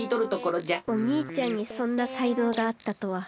おにいちゃんにそんなさいのうがあったとは。